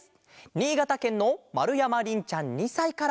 にいがたけんのまるやまりんちゃん２さいから。